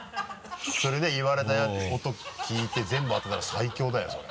それで言われた音聞いて全部当てたら最強だよそれ。